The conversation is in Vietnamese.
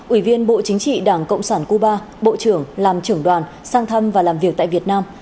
ủy viên bộ chính trị đảng cộng sản cuba bộ trưởng làm trưởng đoàn sang thăm và làm việc tại việt nam